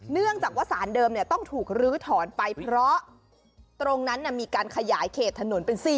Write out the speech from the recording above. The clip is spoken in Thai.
เนื่องจากว่าสารเดิมต้องถูกลื้อถอนไปเพราะตรงนั้นมีการขยายเขตถนนเป็น๔